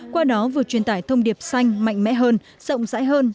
qua đó vừa truyền tải thông điệp xanh mạnh mẽ hơn rộng rãi hơn